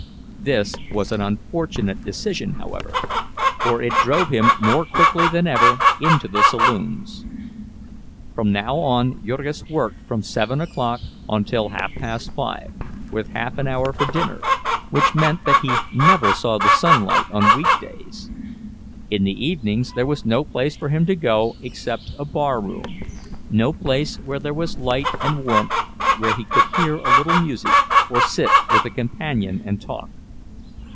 This was an unfortunate decision, however, for it drove him more quickly than ever into the saloons. From now on Jurgis worked from seven o'clock until half past five, with half an hour for dinner; which meant that he never saw the sunlight on weekdays. In the evenings there was no place for him to go except a barroom; no place where there was light and warmth, where he could hear a little music or sit with a companion and talk.